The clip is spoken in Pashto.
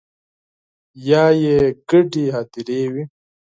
یا يې ګډې هديرې وي